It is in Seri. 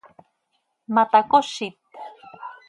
¿Ma tacozit?